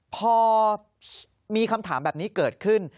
พอมีคำถามแบบนี้เกิดขึ้น